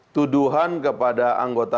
tuduhan kepada anggota